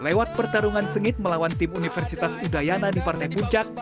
lewat pertarungan sengit melawan tim universitas udayana di parnebuncak